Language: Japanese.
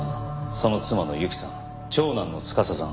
その妻の雪さん長男の司さん